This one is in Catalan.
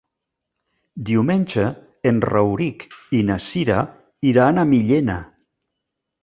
Diumenge en Rauric i na Cira iran a Millena.